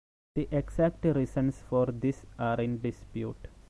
The exact reasons for this are in dispute.